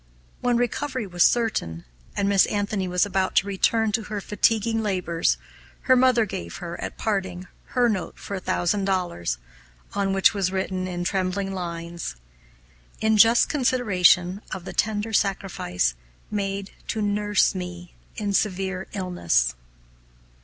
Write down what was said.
When recovery was certain, and Miss Anthony was about to return to her fatiguing labors, her mother gave her, at parting, her note for a thousand dollars, on which was written, in trembling lines, "In just consideration of the tender sacrifice made to nurse me in severe illness."